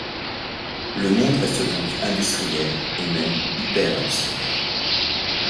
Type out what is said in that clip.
Le monde reste donc industriel et même hyper-industriel.